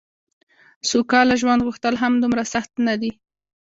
سوکاله ژوند غوښتل هم دومره سخت نه دي.